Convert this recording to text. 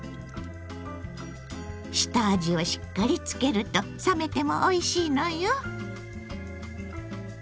下味をしっかりつけると冷めてもおいしいのよ。